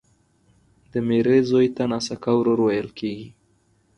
د ميرې زوی ته ناسکه ورور ويل کیږي